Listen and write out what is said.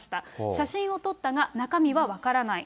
写真を撮ったが、中身は分からない。